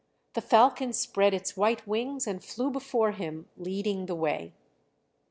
The falcon spread its white wings and flew before him leading the way.